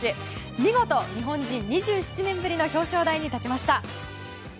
見事、日本人２７年ぶりに表彰台に立ちました。